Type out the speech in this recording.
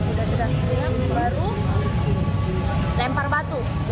udah teriak teriak baru lempar batu